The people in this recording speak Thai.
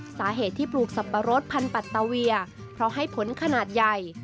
สาเหตุที่ปลูกสับปะรดพันธุ์ปัตตาเวียเพราะให้ผลขนาดใหญ่